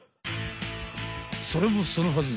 それもそのはず。